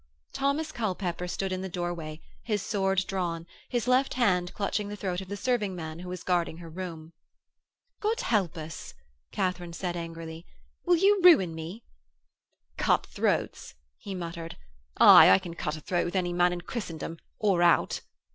Thomas Culpepper stood in the doorway, his sword drawn, his left hand clutching the throat of the serving man who was guarding her room. 'God help us!' Katharine said angrily; 'will you ruin me?' 'Cut throats?' he muttered. 'Aye, I can cut a throat with any man in Christendom or out.'